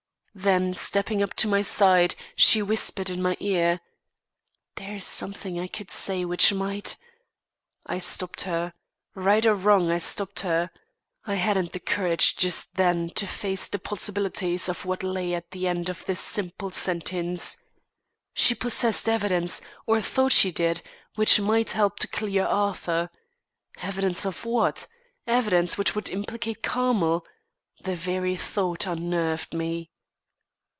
Then stepping up to my side, she whispered in my ear: "There is something I could say which might " I stopped her. Right or wrong, I stopped her. I hadn't the courage just then to face the possibilities of what lay at the end of this simple sentence. She possessed evidence, or thought she did, which might help to clear Arthur. Evidence of what? Evidence which would implicate Carmel? The very thought unnerved me.